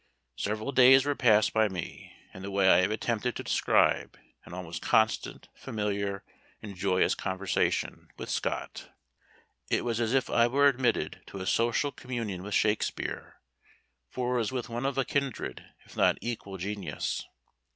Several days were passed by me, in the way I have attempted to describe, in almost constant, familiar, and joyous conversation with Scott; it was as if I were admitted to a social communion with Shakespeare, for it was with one of a kindred, if not equal genius.